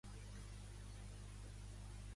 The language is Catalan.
Buch està d'acord amb aquest apunt?